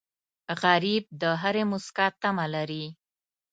غریب د هرې موسکا تمه لري